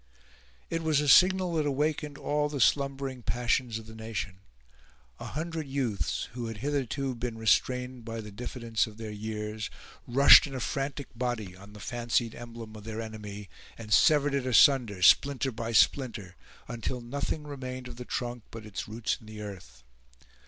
It was a signal that awakened all the slumbering passions of the nation. A hundred youths, who had hitherto been restrained by the diffidence of their years, rushed in a frantic body on the fancied emblem of their enemy, and severed it asunder, splinter by splinter, until nothing remained of the trunk but its roots in the earth.